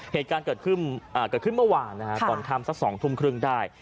เหตุการณ์เกิดขึ้นเมื่อวานนะฮะตอนค่ำสัก๒ทุ่มครึ่งได้